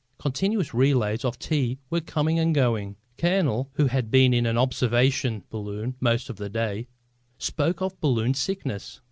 Continuous relays of tea were coming and going. Colonel , who had been in an observation balloon most of the day, spoke of balloon sickness.